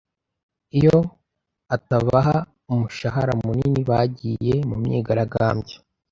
Iyo atabaha umushahara munini, bagiye mu myigaragambyo.